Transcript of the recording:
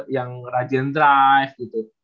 yang rajin drive gitu